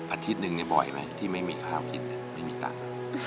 อาทิตย์หนึ่งบ่อยไหมที่ไม่มีข้าวกินไม่มีตังค์